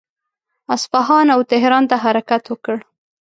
اصفهان او تهران ته حرکت وکړ.